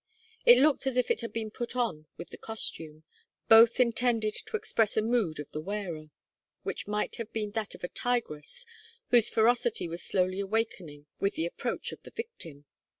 It looked as if it had been put on with the costume, both intended to express a mood of the wearer: which might have been that of a tigress whose ferocity was slowly awakening with the approach of the victim.